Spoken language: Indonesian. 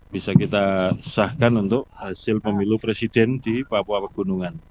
bisa kita sahkan untuk hasil pemilu presiden di papua pegunungan